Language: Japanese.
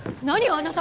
あなた。